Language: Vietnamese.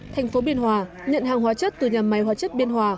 thành phố biên hòa nhận hàng hóa chất từ nhà máy hóa chất biên hòa